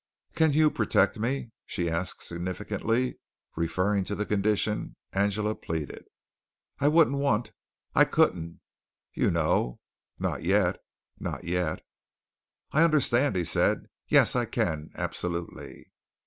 "Can you protect me?" she asked significantly, referring to the condition Angela pleaded. "I wouldn't want I couldn't, you know, not yet, not yet." "I understand," he said. "Yes, I can, absolutely."